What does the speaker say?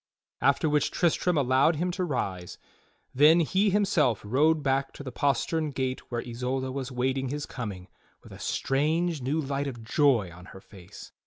After which Tristram allowed him to rise, then he himself rode back to the postern gate where Isolda was waiting his coming with a strange new light of joy on her face.